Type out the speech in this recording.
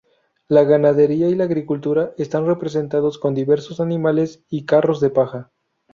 La ganadería y la agricultura están representados con diversos animales y carros de paja.